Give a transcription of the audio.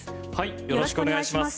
よろしくお願いします。